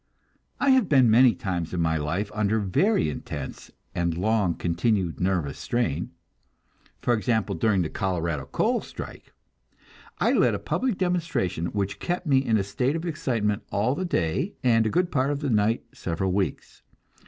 I have been many times in my life under very intense and long continued nervous strain; for example, during the Colorado coal strike, I led a public demonstration which kept me in a state of excitement all the day and a good part of the night several weeks.